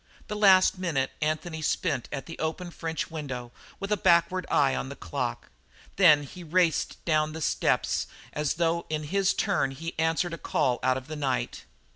The last minute Anthony spent at the open French window with a backward eye on the clock; then he raced down the steps as though in his turn he answered a call out of the night.